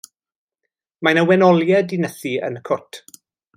Mae 'na wenoliaid 'di nythu yn y cwt.